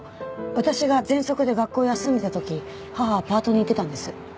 私がぜんそくで学校を休んでいた時母はパートに行ってたんです。